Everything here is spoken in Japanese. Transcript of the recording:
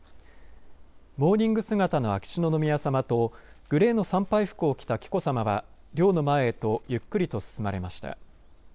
モーニング姿の秋篠宮さまとグレーの参拝服を着た紀子さまは陵の前へとゆっくりと進まれました。